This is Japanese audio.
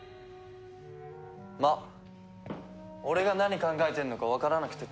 まあ俺が何考えてるのかわからなくて当然だ。